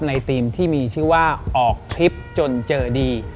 ทีมที่มีชื่อว่าออกทริปจนเจอดี